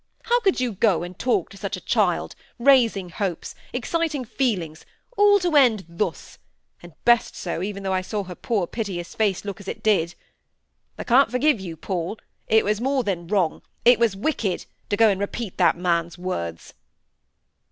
how could you go and talk to such a child, raising hopes, exciting feelings—all to end thus; and best so, even though I saw her poor piteous face look as it did. I can't forgive you, Paul; it was more than wrong—it was wicked—to go and repeat that man's words."